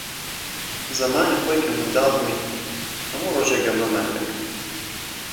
زەمانی خۆی کە منداڵ بووین، هەموو ڕۆژێ گەمەمان دەکرد.